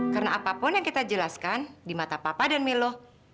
karena apapun yang kita jelaskan di mata papa dan milo